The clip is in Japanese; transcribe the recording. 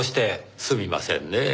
すみませんねぇ